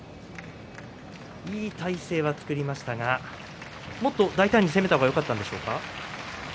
いい体勢は作りましたけどもっと大胆に攻めた方がよかったですか？